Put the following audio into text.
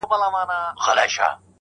ته له چا څخه په تېښته وارخطا یې.!